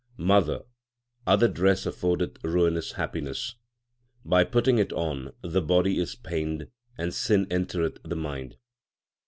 Mother, other dress affordeth ruinous happiness ; By putting it on, the body is pained and sin entereth the mind.